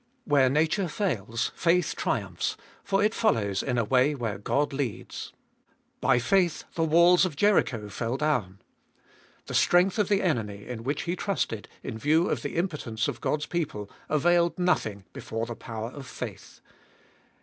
Where nature fails faith triumphs, for it follows in a way where God leads. By faith the walls of Jericho fell down. The strength of the enemy, in which he trusted, in view of the impotence of God's people, availed nothing before the power of faith.